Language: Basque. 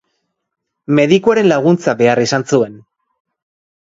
Medikuaren laguntza behar izan zuten.